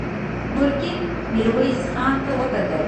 ګرګين ميرويس خان ته وکتل.